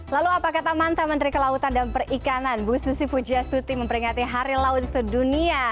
lalu apa kata manta menteri kelautan dan perikanan bu susi pujastuti memperingati hari laut sedunia